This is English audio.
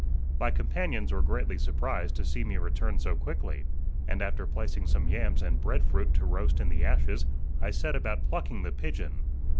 My companions were greatly surprised to see me return so quickly, and after placing some yams and bread fruit to roast in the ashes, I set about plucking the pigeon.